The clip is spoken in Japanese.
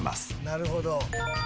「なるほど」